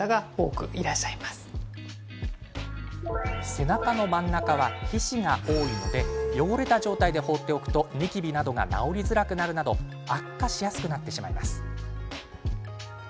背中の真ん中は皮脂が多いので汚れた状態で放っておくとニキビなどが治りづらくなるなど悪化しやすくなってしまいます。